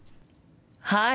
はい！